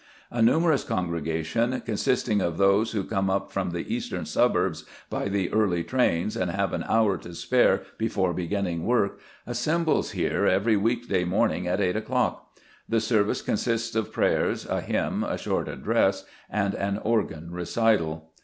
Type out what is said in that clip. A numerous congregation, consisting of those who come up from the eastern suburbs by the early trains and have an hour to spare before beginning work, assembles here every week day morning at eight o'clock. The service consists of prayers, a hymn, a short address, and an organ recital.